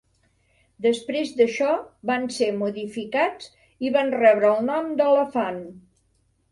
Després d'això van ser modificats i van rebre el nom d'Elefant.